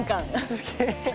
すげえ！